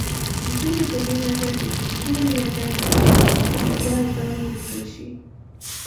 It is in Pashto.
ځينې په دې نظر دی چې ټولې یاګانې دې يو ډول وليکل شي